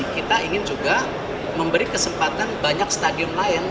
kita ingin juga memberi kesempatan banyak stadion lain